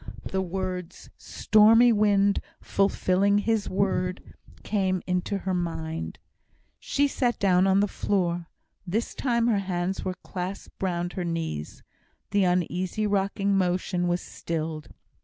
The words "stormy wind fulfilling His word" came into her mind. She sat down on the floor. This time her hands were clasped round her knees. The uneasy rocking motion was stilled.